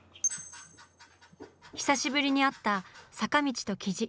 久しぶりに会った坂道と雉。